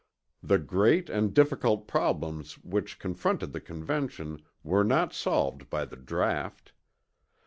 The great and difficult problems which confronted the Convention were not solved by the Draught.